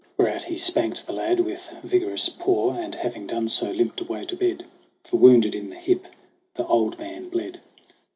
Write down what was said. Whereat he spanked the lad with vigorous paw And, having done so, limped away to bed ; For, wounded in the hip, the old man bled.